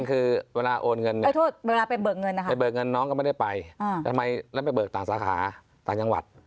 นี่คือเวลาโอนเงินเนี่ยไปเบิกเงินน้องก็ไม่ได้ไปแล้วไปเบิกต่างสาขาต่างจังหวัด